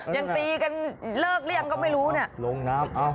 ยังตีกันเลิกเรียงก็ไม่รู้เนี่ย